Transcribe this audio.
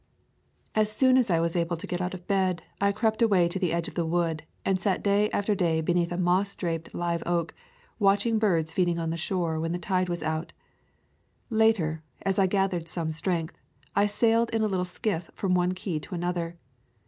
[ 129 ] A Thousand Mile WV alk ~ Assoon as Iwas able to get out of bed, I crept away to the edge of the wood, and sat day after day beneath a moss draped live oak, watching birds feeding on the shore when the tide was out. Later, as I gathered some strength, I sailed in a little skiff from one key to another.